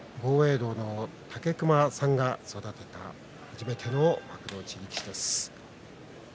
道の武隈さんが育てた初めての幕内力士です。